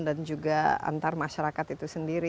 dan juga antar masyarakat itu sendiri